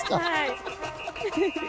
はい。